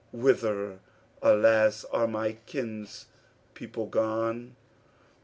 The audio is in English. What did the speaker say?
Whither, alas, are my kinspeople gone?